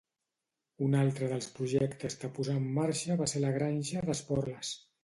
Un altre dels projectes que posà em marxa va ser la granja d'Esporles.